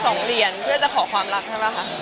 สองเหรียญเพื่อจะขอความรักใช่ป่ะคะ